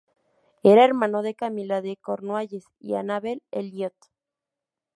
Era hermano de Camila de Cornualles y Annabel Elliot.